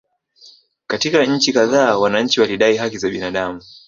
Katika nchi kadhaa wananchi walidai haki za binadamu